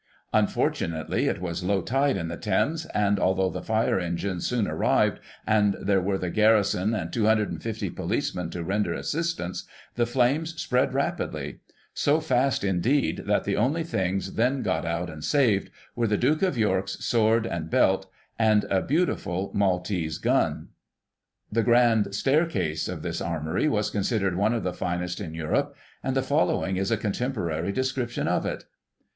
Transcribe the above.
Unfortunately, it was low tide in the Thames, and, although the fire engines soon arrived, and there were the Garrison and 250 policemen to render assistance, the flames spread rapidly ; so fast, indeed, that the only things then got out and saved, were the Duke of York's sword and belt, and a beau tiful Maltese g^n. The grand staircase of this Armoury was considered one of the finest in Europe, and the following is a contemporary description of it.